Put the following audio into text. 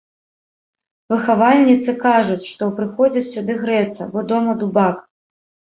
Выхавальніцы кажуць, што прыходзяць сюды грэцца, бо дома дубак.